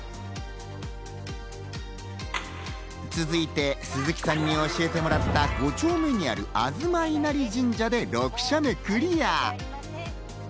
続いて鈴木さんに教えてもらった５丁目にある、あづま稲荷神社で６社目クリア。